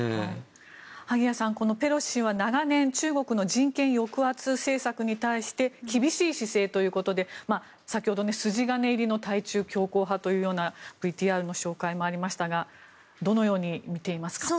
萩谷さん、このペロシ氏は長年中国の人権抑圧政策に対して厳しい姿勢ということで先ほど、筋金入りの対中強硬派というようなＶＴＲの紹介もありましたがどのように見ていますか。